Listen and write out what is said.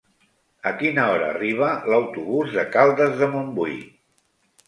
A quina hora arriba l'autobús de Caldes de Montbui?